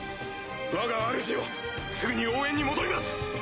わがあるじよすぐに応援に戻ります！